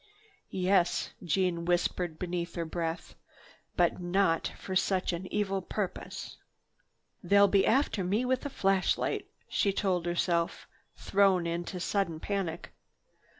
"Yes," Jeanne whispered beneath her breath. "But not for such an evil purpose! "They'll be after me with a flashlight," she told herself, thrown into sudden panic.